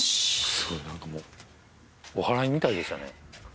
すごい何かもうおはらいみたいでしたね